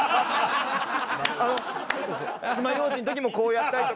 つまようじの時もこうやったりとか。